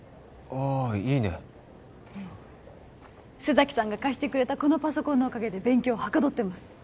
ああいいねうん須崎さんが貸してくれたこのパソコンのおかげで勉強はかどってます